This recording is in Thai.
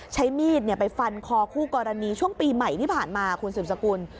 ใช้มีดไปฟันคอคู่กรณีช่วงปีใหม่ที่ผ่านมาคุณสืบสกุล